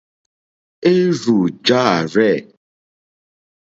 Érzù jârzɛ̂.